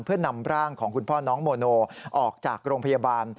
เพื่อนำร่างของคุณพ่อน้องโมโนออกจากโรงพยาบาล